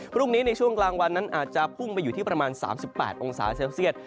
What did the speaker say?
พรุ่งนี้ในช่วงกลางวันนั้นอาจจะพุ่งไปอยู่ที่ประมาณ๓๘องศาเซลเซียต